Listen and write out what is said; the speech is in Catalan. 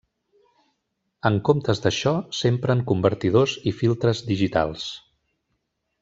En comptes d'això s'empren convertidors i filtres digitals.